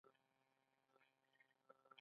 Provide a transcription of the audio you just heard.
ایا شکر به چیک کوئ؟